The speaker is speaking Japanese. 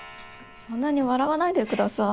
そんなに笑わないでください。